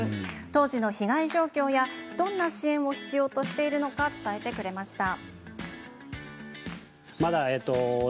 当時の被害状況やどんな支援を必要としているのか伝えてくれました。